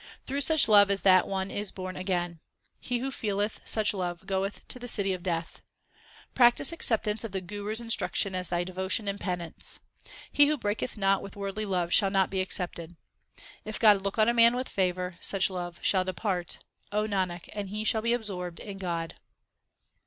Through such love as that one is born again He who feeleth such love goeth to the city of Death. Practise acceptance of the Guru s instruction as thy devotion and penance. He who breaketh not with worldly love shall not be accepted. If God look on man with favour such love shall depart, Nanak, and he shall be absorbed in God.